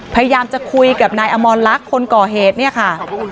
พยายามจะคุยกับนายอมรลักษณ์คนก่อเหตุเนี่ยค่ะ